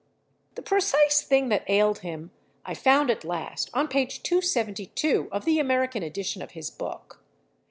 The precise thing that ailed him I found at last on page 272 et seq. of the American edition of his book.